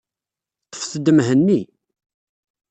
Ṭṭfet-d Mhenni.